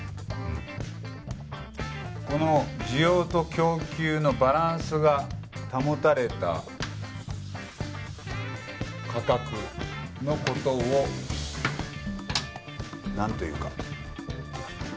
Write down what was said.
この需要と供給のバランスが保たれた価格の事をなんというか？